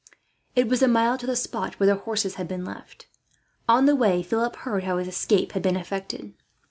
It was a mile to the spot where the horses had been left. On the way, Philip heard how his escape had been effected.